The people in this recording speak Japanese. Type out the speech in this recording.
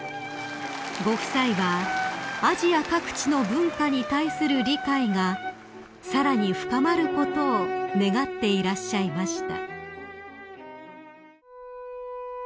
［ご夫妻はアジア各地の文化に対する理解がさらに深まることを願っていらっしゃいました］